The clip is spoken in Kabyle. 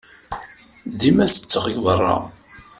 Dima ttetteɣ deg beṛṛa.